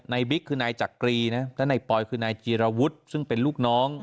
บิ๊กคือนายจักรีนะและนายปอยคือนายจีรวุฒิซึ่งเป็นลูกน้อง